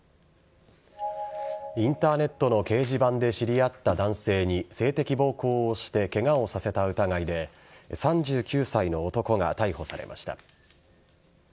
インターネットの掲示板で知り合った男性に性的暴行をしてケガをさせた疑いで３９歳の男が逮捕されました。